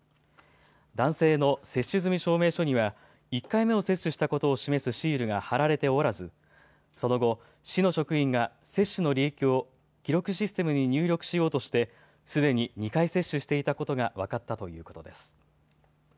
男性の接種済み証明書には１回目を接種したことを示すシールが貼られておらずその後、市の職員が接種の履歴を記録システムに入力しようとしてすでに２回接種していたことが分かったということです。